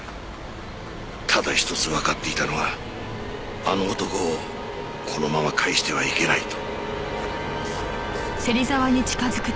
ただ１つわかっていたのはあの男をこのまま帰してはいけないと。